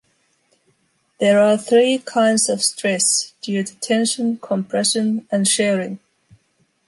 There are three kinds of stress, due to tension, compression, and shearing.